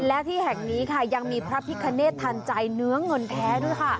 และที่แห่งนี้ค่ะยังมีพระพิคเนธทันใจเนื้อเงินแท้ด้วยค่ะ